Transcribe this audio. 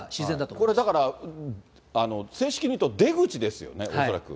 これだから、正式に言うと、出口ですよね、恐らく。